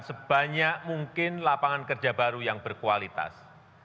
sebanyak mungkin lapangan kerja baru yang berkualitas